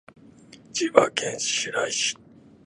千葉県白井市